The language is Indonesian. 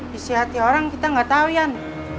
bisiklet orang kita gak tau yan